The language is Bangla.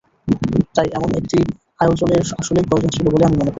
তাই এমন একটি আয়োজনের আসলেই প্রয়োজন ছিল বলে আমি মনে করি।